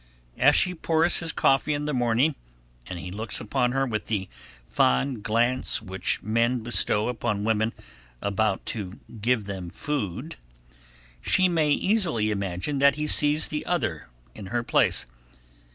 As she pours his coffee in the morning and he looks upon her with the fond glance which men bestow upon women about to give them food, she may easily imagine that he sees the other in her place.